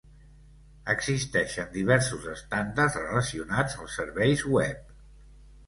Existeixen diversos estàndards relacionats als serveis web.